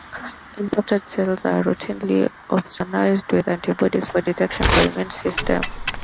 Infected cells are routinely opsonized with antibodies for detection by immune cells.